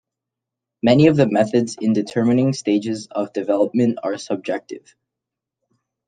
Many of the methods in determining stages of development are subjective.